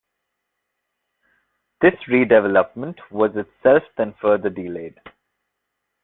This redevelopment was itself then further delayed.